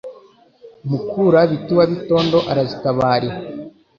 Mukura biti wa Bitondo arazitabarira.